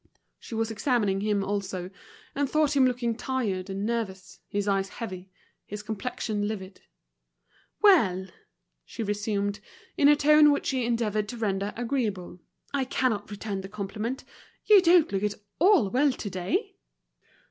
She was examining him also, and thought him looking tired and nervous, his eyes heavy, his complexion livid. "Well," she resumed, in a tone which she endeavoured to render agreeable, "I cannot return the compliment; you don't look at all well today."